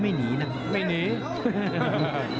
กระหน่าที่น้ำเงินก็มีเสียเอ็นจากอุบลนะครับ